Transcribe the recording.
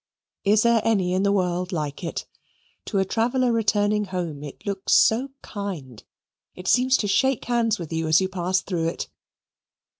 Is there any in the world like it? To a traveller returning home it looks so kind it seems to shake hands with you as you pass through it.